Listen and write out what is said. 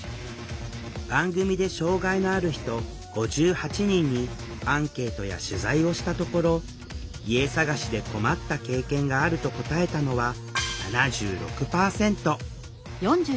番組で障害のある人５８人にアンケートや取材をしたところ「家探しで困った経験がある」と答えたのは７６％！